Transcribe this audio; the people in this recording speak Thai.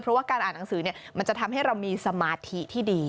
เพราะว่าการอ่านหนังสือมันจะทำให้เรามีสมาธิที่ดี